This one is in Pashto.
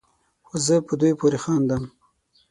خو زه په دوی پورې خاندم